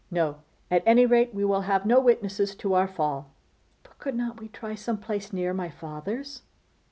No! at any rate we will have no witnesses to our fall.' 'But could not we try some place near my father's?